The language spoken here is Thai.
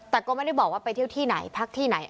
แต่ก็ไม่ได้บอกว่าไปเที่ยวที่ไหนพักที่ไหน